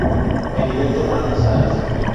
Heriberto Ramos Salas.